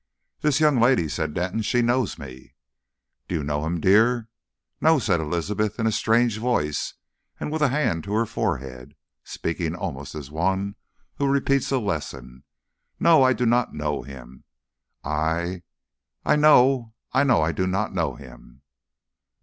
"This young lady," said Denton, "she knows me." "Do you know him, dear?" "No," said Elizabeth in a strange voice, and with a hand to her forehead, speaking almost as one who repeats a lesson. "No, I do not know him. I know I do not know him."